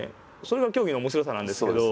それが競技の面白さなんですけど。